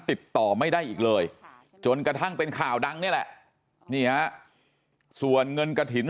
ติดต่อไม่ได้อีกเลยจนกระทั่งเป็นข่าวดังนี่แหละนี่ฮะส่วนเงินกระถิ่น